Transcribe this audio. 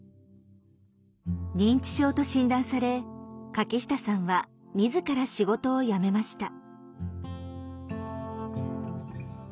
認知症と診断され柿下さんは自ら仕事を辞めました。